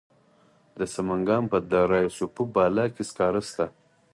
د سمنګان په دره صوف بالا کې سکاره شته.